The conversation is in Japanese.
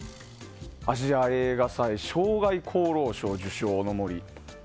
アジア映画祭生涯功労賞受賞の森。